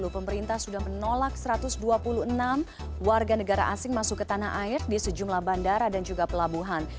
pemerintah sudah menolak satu ratus dua puluh enam warga negara asing masuk ke tanah air di sejumlah bandara dan juga pelabuhan